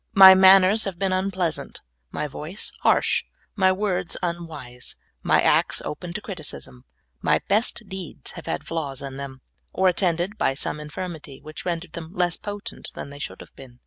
My manners have been unpleasant, my voice harsh, my words unwise, my acts open to criticism, my best deeds have had flaws in them, or attended by some infirmity which rendered them less potent than they should have been.